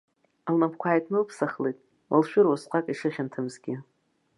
Лнапқәа ааиҭнылыԥсахлеит, лшәыра усҟак ишыхьанҭамызгьы.